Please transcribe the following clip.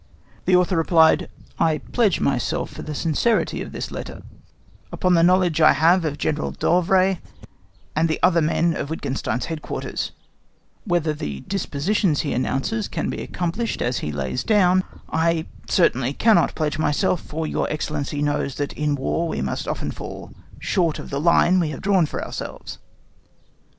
The Author replied, "I pledge myself for the sincerity of this letter upon the knowledge I have of General d'Auvray and the other men of Wittgenstein's headquarters; whether the dispositions he announces can be accomplished as he lays down I certainly cannot pledge myself; for your Excellency knows that in war we must often fall short of the line we have drawn for ourselves."